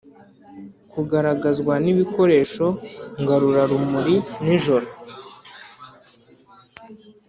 kugaragazwa n'ibikoresho ngarurarumuri nijoro